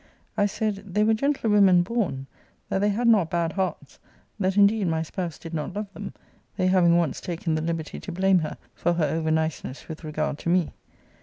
I said, 'they were gentlewomen born; that they had not bad hearts; that indeed my spouse did not love them; they having once taken the liberty to blame her for her over niceness with regard to me.